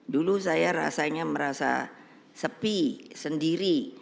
dulu saya rasanya merasa sepi sendiri